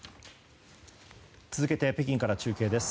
続けて北京から中継です。